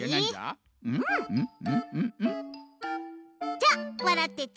じゃあわらってち。